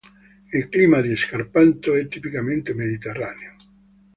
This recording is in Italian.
Il clima di Scarpanto è tipicamente mediterraneo.